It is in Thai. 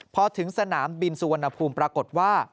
พอถึงสนามบินสุวรรณภูมิปรากฏว่า